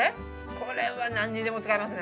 これは何でも使えますね。